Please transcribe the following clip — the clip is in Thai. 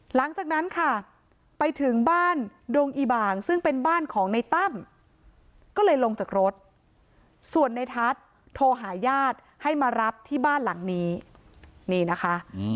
หลังจากนั้นค่ะไปถึงบ้านดงอีบ่างซึ่งเป็นบ้านของในตั้มก็เลยลงจากรถส่วนในทัศน์โทรหาญาติให้มารับที่บ้านหลังนี้นี่นะคะ